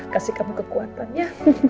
kasih kamu kekuatan ya